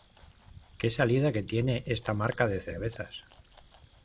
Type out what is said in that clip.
¿Qué salida que tiene esta marca de cervezas?